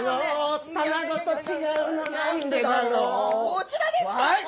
こちらですか！